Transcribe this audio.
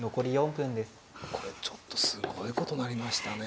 これちょっとすごいことなりましたね。